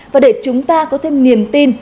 và để chúng ta có thêm niềm tin